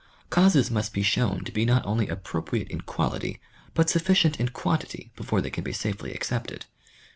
Causes must be shown to be not only appropriate in quality, but suf ficient in quantity before they can be safely accepted.